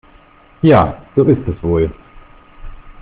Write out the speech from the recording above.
Ja, so ist es wohl.